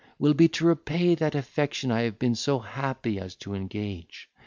will be to repay that affection I have been so happy as to engage.